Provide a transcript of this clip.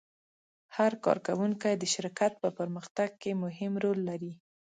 هر کارکوونکی د شرکت په پرمختګ کې مهم رول لري.